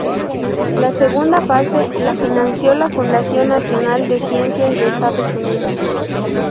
La segunda fase la financió la Fundación Nacional de Ciencias de Estados Unidos.